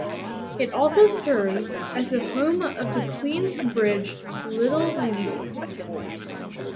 It also serves as the home of the Queensbridge Little League.